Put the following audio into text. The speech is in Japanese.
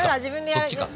そっちか。